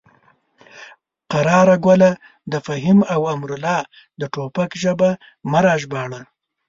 قراره ګله د فهیم او امرالله د ټوپک ژبه مه راژباړه.